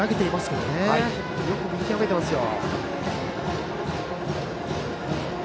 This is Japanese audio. よく見極めていますよ。